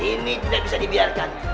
ini tidak bisa dibiarkan